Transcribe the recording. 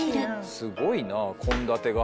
「すごいな献立が」